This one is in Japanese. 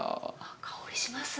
香りしますね。